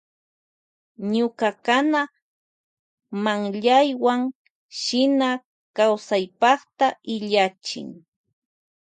Ñukalla kana manllaywan shina kawsaypakta illachin.